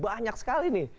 banyak sekali nih